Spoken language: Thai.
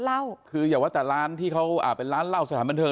เล่าคืออย่าว่าแต่ร้านที่เขาอ่าเป็นร้านเหล้าสถานบันเทิ